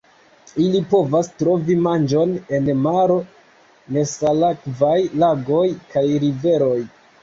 Ili povas trovi manĝon en maro, nesalakvaj lagoj kaj riveroj.